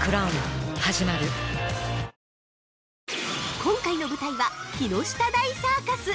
◆今回の舞台は木下大サーカス！